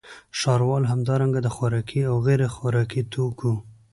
ښاروال همدارنګه د خوراکي او غیرخوراکي توکو